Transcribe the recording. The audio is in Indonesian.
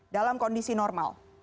dalam kondisi normal